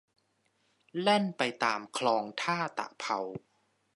แล่นไปตามคลองท่าตะเภา